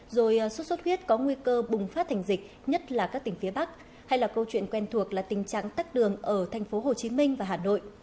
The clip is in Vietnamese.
rồi suốt suốt huyết có nguy cơ bùng phát thành dịch nhất là các tỉnh phía bắc hay là câu chuyện quen thuộc là tình trạng tắt đường ở thành phố hồ chí minh và hà nội